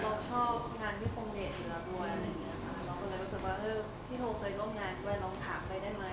แล้วผมเลยรู้สึกว่าพี่โทษเคยร่วมงานกับแว่นร้องถามไปได้มั้ย